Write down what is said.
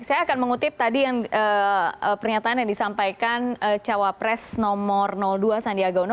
saya akan mengutip tadi pernyataan yang disampaikan cawa pres nomor dua sandiaga uno